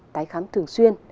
tái khám thường xuyên